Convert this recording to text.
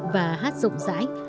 và hát rộng rãi